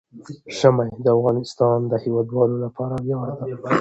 ژمی د افغانستان د هیوادوالو لپاره ویاړ دی.